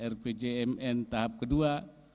rpjmn tahap kedua